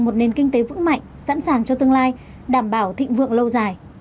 một nền kinh tế vững mạnh sẵn sàng cho tương lai đảm bảo thịnh vượng lâu dài